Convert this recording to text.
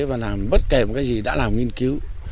và làm bất kể một cái gì đã làm nghiên cứu